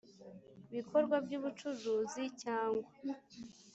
Bikorwa by ubucuruzi cyangwa